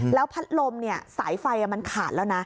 แล้วพัดลมสายไฟมันขาดแล้วนะ